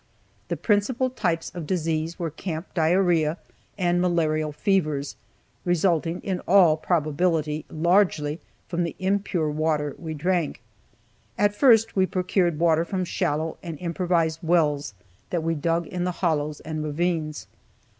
The principal types of disease were camp diarrhea and malarial fevers, resulting, in all probability, largely from the impure water we drank. At first we procured water from shallow and improvised wells that we dug in the hollows and ravines.